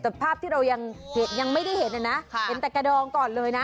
แต่ภาพที่เรายังไม่ได้เห็นมีกับเจมูกก่อนเลยนะ